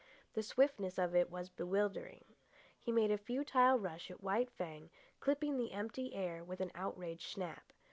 The swiftness of it was bewildering. He made a futile rush at White Fang, clipping the empty air with an outraged snap.